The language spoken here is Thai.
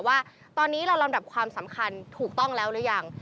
ว่าตอนนี้เราลำดับความสำคัญถูกต้องแล้วหรือยัง